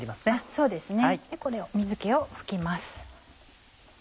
そうですねでこれを水気を拭きます。